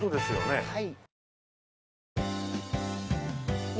はい。